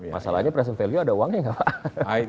masalahnya present value ada uangnya nggak pak